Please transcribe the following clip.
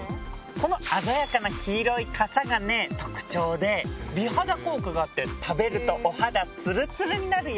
この鮮やかな黄色いかさが特徴で美肌効果があって食べるとお肌ツルツルになるよ。